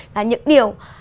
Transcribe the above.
là những điều